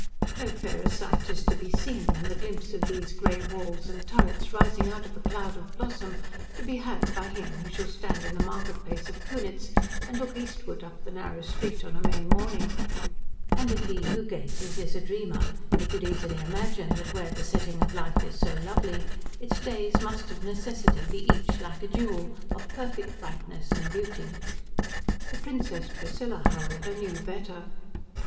No fairer sight is to be seen than the glimpse of these grey walls and turrets rising out of a cloud of blossom to be had by him who shall stand in the market place of Kunitz and look eastward up the narrow street on a May morning; and if he who gazes is a dreamer he could easily imagine that where the setting of life is so lovely its days must of necessity be each like a jewel, of perfect brightness and beauty. The Princess Priscilla, however, knew better.